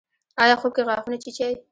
ایا خوب کې غاښونه چیچئ؟